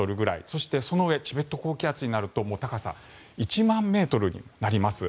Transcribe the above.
そして、その上チベット高気圧になるともう高さ１万ｍになります。